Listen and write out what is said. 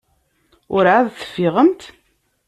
Werɛad ur teffiɣemt?